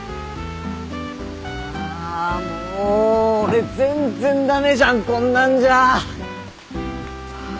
あもう俺全然駄目じゃんこんなんじゃ！ハァ。